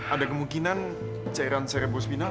ada kemungkinan cairan serebrospinal